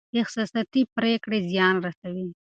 احساساتي پرېکړې زيان رسوي.